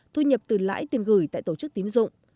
thu nhập từ lãi tiền gửi tại tổ chức tín dụng